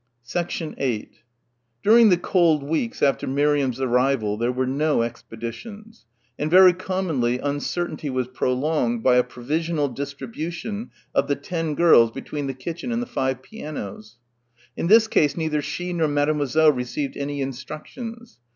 8 During the cold weeks after Miriam's arrival there were no expeditions; and very commonly uncertainty was prolonged by a provisional distribution of the ten girls between the kitchen and the five pianos. In this case neither she nor Mademoiselle received any instructions.